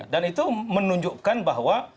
dan itu menunjukkan bahwa